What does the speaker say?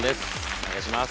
お願いします。